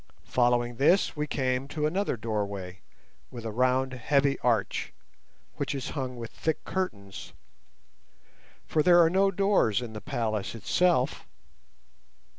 Following this we came to another doorway with a round heavy arch, which is hung with thick curtains, for there are no doors in the palace itself.